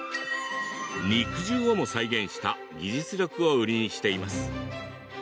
肉汁をも再現した技術力を売りにしています。